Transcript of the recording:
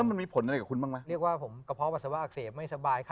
แล้วมันมีผลอะไรกับคุณบ้างมั้ย